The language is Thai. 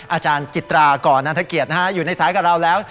อาจารย์จิตราก่อนนันทเกียรติอยู่ในสายกับเราแล้ว